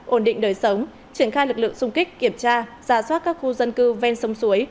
ổn định đời sống triển khai lực lượng xung kích kiểm tra ra soát các khu dân cư ven sông suối